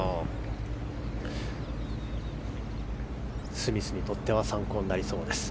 スミスにとっては参考になりそうです。